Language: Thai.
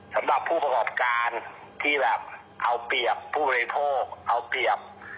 สำหรับผู้ประกอบการที่แบบเอาเปรียบผู้บริโภคเอาเปรียบ